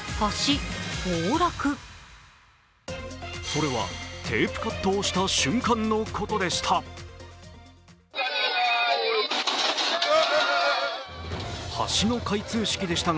それは、テープカットをした瞬間のことでした。